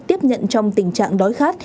tiếp nhận trong tình trạng đói khát